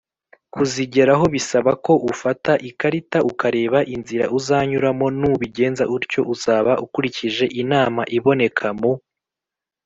kuzigeraho Bisaba ko ufata ikarita ukareba inzira uzanyuramo Nubigenza utyo uzaba ukurikije inama iboneka mu